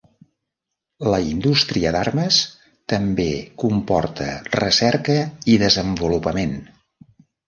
La indústria d'armes també comporta recerca i desenvolupament.